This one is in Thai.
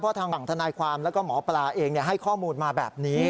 ทางฝั่งธนายความแล้วก็หมอปลาเองให้ข้อมูลมาแบบนี้